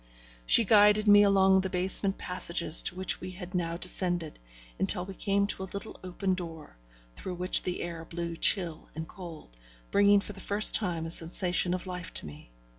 She guided me along the basement passages to which we had now descended, until we came to a little open door, through which the air blew chill and cold, bringing for the first time a sensation of life to me.